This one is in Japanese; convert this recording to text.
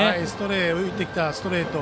浮いてきたストレート。